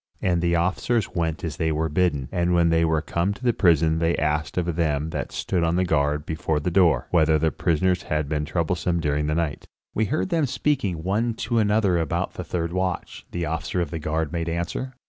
And the officers went as they were bidden, and when they were come to the prison they asked of them that stood on guard before the door, whether the prisoners had been troublesome during the night. "We heard them speaking one to another about the third watch," the officer of the guard made answer.